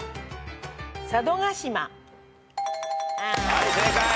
はい正解。